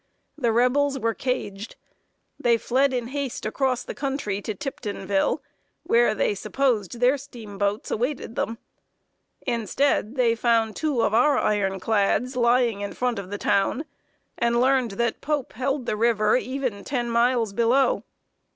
The Rebels were caged. They fled in haste across the country to Tiptonville, where they supposed their steamboats awaited them. Instead, they found two of our iron clads lying in front of the town, and learned that Pope held the river even ten miles below.